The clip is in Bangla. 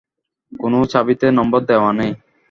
কোনো চাবিতে নম্বর দেওয়া নেই।